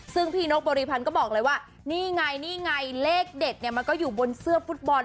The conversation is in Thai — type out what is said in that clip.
ซึ่งพี่นกบริพันธ์ก็บอกเลยว่านี่ไงนี่ไงเลขเด็ดเนี่ยมันก็อยู่บนเสื้อฟุตบอล